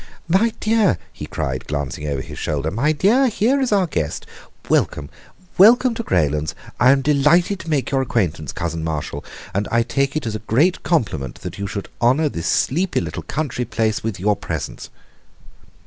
"My dear!" he cried, glancing over his shoulder; "my dear, here is our guest! Welcome, welcome to Greylands! I am delighted to make your acquaintance, Cousin Marshall, and I take it as a great compliment that you should honour this sleepy little country place with your presence."